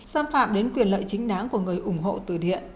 xâm phạm đến quyền lợi chính đáng của người ủng hộ từ điện